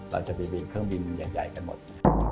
เราจะไปบินเครื่องบินใหญ่กันหมด